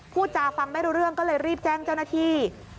พูดจาฟังไม่รู้เรื่องก็เลยรีบแจ้งเจ้าหน้าที่